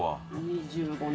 ２５年！